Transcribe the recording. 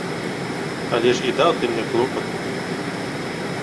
Але ж і даў ты мне клопату.